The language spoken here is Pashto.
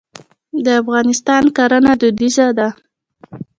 د افغانستان کرنه دودیزه ده.